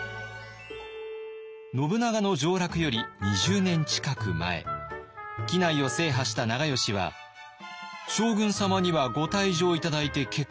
信長の上洛より２０年近く前畿内を制覇した長慶は「将軍様にはご退場頂いて結構。